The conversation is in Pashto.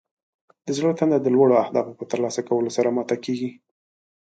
د زړه تنده د لوړو اهدافو په ترلاسه کولو سره ماته کیږي.